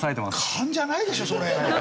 勘じゃないでしょそれ。